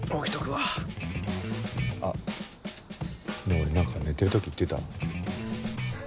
俺何か寝てる時言ってた？